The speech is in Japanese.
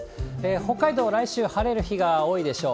北海道、来週晴れる日が多いでしょう。